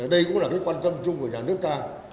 đây cũng là cái quan tâm chung của nhà nước ta